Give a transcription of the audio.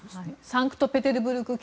サンクトペテルブルク